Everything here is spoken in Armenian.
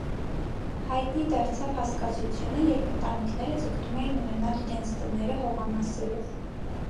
Հայտնի դարձավ «»հասկացությունը, երբ ընտանիքները ձգտում էին ունենալ իրենց տները՝ հողամասերով։